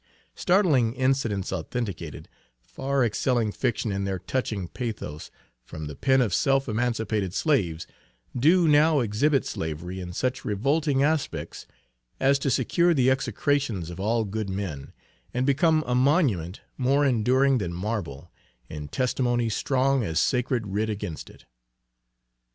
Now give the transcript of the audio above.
Startling incidents authenticated, far excelling fiction in their touching pathos, from the pen of self emancipated slaves, do now exhibit slavery in such revolting aspects, as to secure the execrations of all good men, and become a monument more enduring than marble, in testimony strong as sacred writ against it.